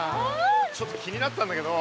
ちょっと気になってたんだけど。